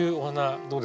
どうですか？